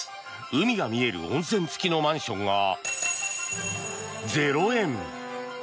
海が見える温泉付きのマンションが０円。